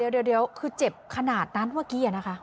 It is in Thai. เดี๋ยวคือเจ็บขนาดนั้นเมื่อกี้นะคะ